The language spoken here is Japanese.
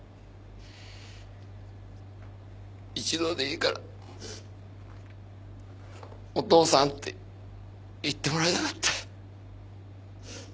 一度でいいから「お父さん」って言ってもらいたかった。